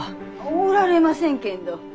おられませんけんど。